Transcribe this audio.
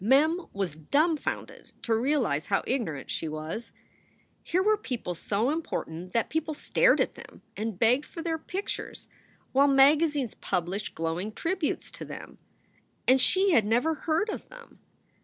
Mem was dumfounded to realize how ignorant she was. Here were people so important that people stared at them and begged for their pictures, while magazines published glowing tributes to them. And she had never heard of them